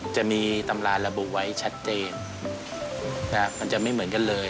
จะมีตำราระบุไว้ชัดเจนมันจะไม่เหมือนกันเลย